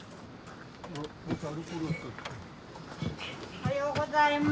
おはようございます。